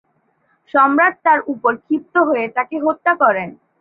সম্রাট তার উপর ক্ষিপ্ত হয়ে তাকে হত্যা করেন।